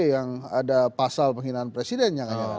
yang ada pasal penghinaan presiden